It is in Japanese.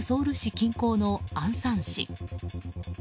近郊のアンサン市。